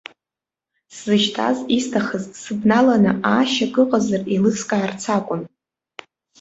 Сзышьҭаз, исҭахыз, сыбналаны аашьак ыҟазар еилыскаарц акәын.